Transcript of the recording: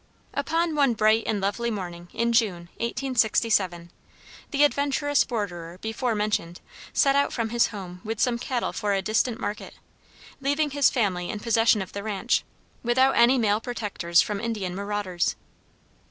Upon one bright and lovely morning in June, 1867, the adventurous borderer before mentioned, set out from his home with some cattle for a distant market, leaving his family in possession of the ranch, without any male protectors from Indian marauders.